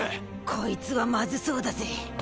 こいつはまずそうだぜィ！